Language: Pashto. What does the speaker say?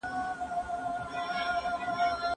عدل په ټولنه کي د سولي بنسټ ايږدي.